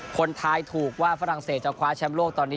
คนท้ายถูกว่าฝรั่งเศสจะคว้าแชมป์โลก